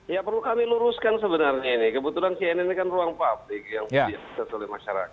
ya perlu kami luruskan sebenarnya ini kebetulan cnn ini kan ruang publik yang masyarakat